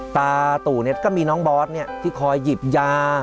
ตาตู่เนี่ยก็มีน้องบอสเนี่ยที่คอยหยิบยา